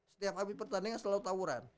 setiap hari pertandingan selalu tawuran